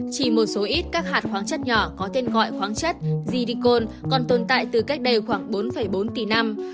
chỉ một số ít các hạt khoáng chất nhỏ có tên gọi khoáng chất gdp còn tồn tại từ cách đây khoảng bốn bốn tỷ năm